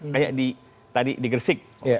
kayak di tadi di gersik